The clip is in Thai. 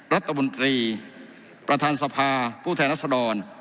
รัฐมนตรีประธานสภาผู้แทนรัศดร